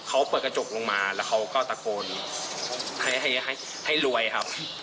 เขาเปิดกระจกลงมาแล้วเขาก็ตะโกนให้รวยครับ